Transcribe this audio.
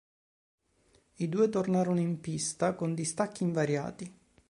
I due tornarono in pista con distacchi invariati.